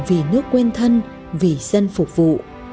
vì nước quen thân vì dân phục vụ